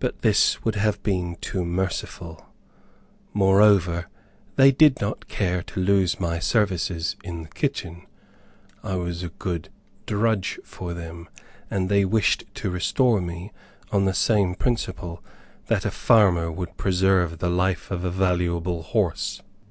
But this would have been too merciful; moreover, they did not care to lose my services in the kitchen. I was a good drudge for them, and they wished to restore me on the same principle that a farmer would preserve the life of a valuable horse.